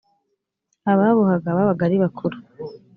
ababohaga babaga aribakuru.